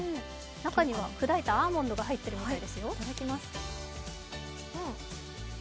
中には砕いたアーモンドが入ってるらしいですよ。